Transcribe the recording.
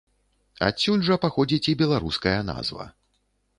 Адсюль жа паходзіць і беларуская назва.